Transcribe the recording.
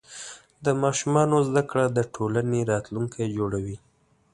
د ماشومانو زده کړه د ټولنې راتلونکی جوړوي.